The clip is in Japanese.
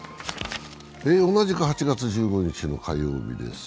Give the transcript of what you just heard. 同じく８月１５日の火曜日です。